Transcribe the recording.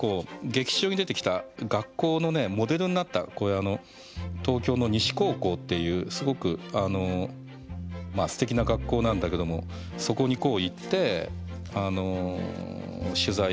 劇中に出てきた学校のモデルになったこれあの東京の西高校っていうすごくすてきな学校なんだけどもそこに行って取材させてもらったりとか。